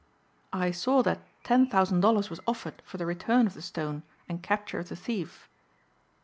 "I saw that ten thousand dollars was offered for the return of the stone and capture of the thief."